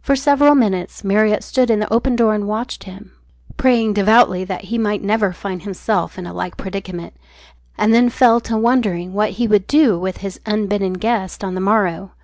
For several minutes Marriott stood in the open door and watched him; praying devoutly that he might never find himself in a like predicament, and then fell to wondering what he would do with his unbidden guest on the morrow.